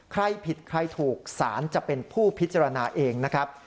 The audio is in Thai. ใครผิดใครถูกสารจะเป็นผู้พิจารณาเองนะครับ